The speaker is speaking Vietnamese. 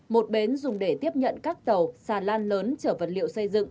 một bến dùng để tiếp nhận các tàu sàn lan lớn trở vật liệu xây dựng